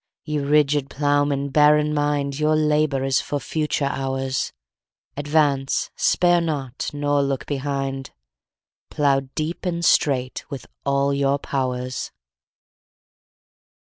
Ye rigid Ploughmen, bear in mind Your labour is for future hours: Advance—spare not—nor look behind— 15 Plough deep and straight with all your powers!